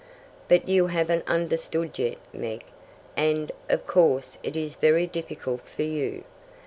But you haven't understood yet, Meg, and of course it is very difficult for you.